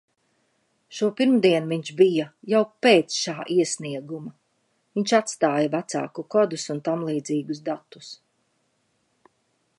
Šopirmdien viņš bija jau pēc šā iesnieguma, viņš atstāja vecāku kodus un tamlīdzīgus datus.